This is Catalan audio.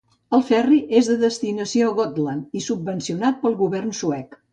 El ferri és de destinació Gotland i subvencionat pel govern suec.